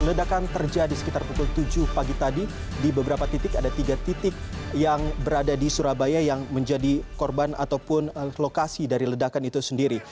ledakan terjadi sekitar pukul tujuh pagi tadi di beberapa titik ada tiga titik yang berada di surabaya yang menjadi korban ataupun lokasi dari ledakan itu sendiri